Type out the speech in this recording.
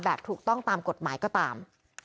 ถูกต้องตามกฎหมายก็ตาม